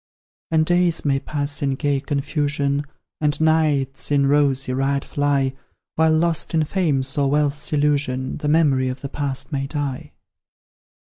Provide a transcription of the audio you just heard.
And days may pass in gay confusion, And nights in rosy riot fly, While, lost in Fame's or Wealth's illusion, The memory of the Past may die.